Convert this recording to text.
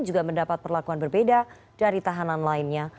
juga mendapat perlakuan berbeda dari tahanan lainnya